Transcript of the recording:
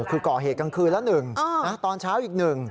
ก็คือก่อเหตุกลางคืนละหนึ่งตอนเช้าอีกหนึ่ง